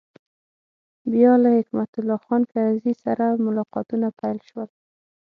بیا له حکمت الله خان کرزي سره ملاقاتونه پیل شول.